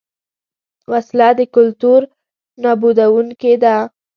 وسله د کلتور نابودوونکې ده